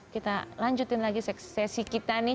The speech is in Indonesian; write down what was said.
kita lanjutin lagi sesi kita nih